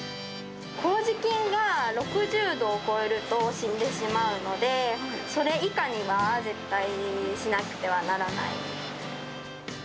こうじ菌が６０度を超えると死んでしまうので、それ以下には絶対しなくてはならない。